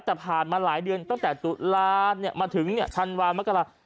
แต่ผ่านมาหลายเดือนตั้งแต่ตุลามาถึงธันวามกรา